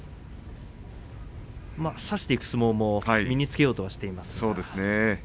差していく相撲も身につけようとはしています。